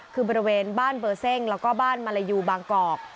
คือบริเวณบ้านเบอร์เซ่งแล้วก็บ้านมารยูบางกอก